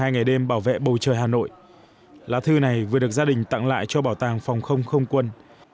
một mươi ngày đêm bảo vệ bầu trời hà nội lá thư này vừa được gia đình tặng lại cho bảo tàng phòng không không quân